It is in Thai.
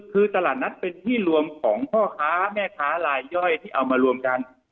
คือตลาดนัดเป็นที่รวมของพ่อค้าแม่ค้าลายย่อยที่เอามารวมกัน